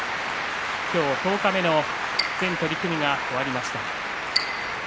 今日十日目の全取組が終わりました。